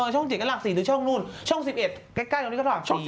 ช่องเด็กก็หลากสีช่องนูนช่อง๑๑ใกล้ก็หลากสี